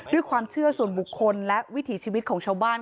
ความเชื่อส่วนบุคคลและวิถีชีวิตของชาวบ้าน